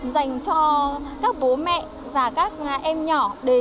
dành cho các bố mẹ và các em nhỏ đến vui chơi